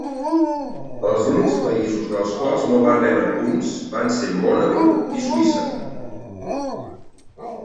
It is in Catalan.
Els únics països dels quals no va rebre punts van ser Mònaco i Suïssa.